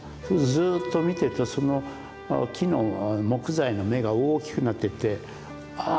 ずっと見てるとその木の木材の目が大きくなっていってああ